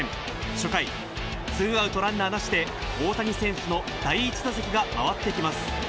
初回、ツーアウトランナーなしで、大谷選手の第１打席が回ってきます。